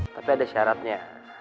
tapi ada syaratnya